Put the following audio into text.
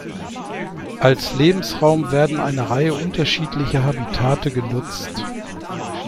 Als Lebensraum werden eine Reihe unterschiedliche Habitate genutzt.